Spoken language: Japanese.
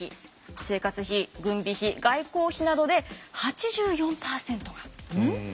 生活費軍備費外交費などで８４％が。